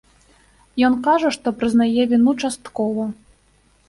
Ён кажа, што прызнае віну часткова.